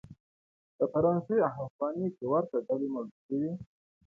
په فرانسې او هسپانیې کې ورته ډلې موجود وې.